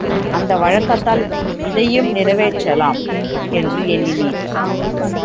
அந்த வழக்கத்தால், இதையும் நிறைவேற்றலாம் என்று எண்ணினேன்.